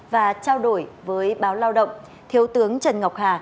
và trao đổi với báo lao động thiếu tướng trần ngọc hà